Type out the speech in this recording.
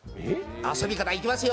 遊び方、いきますよ。